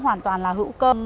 hoàn toàn là hữu cơ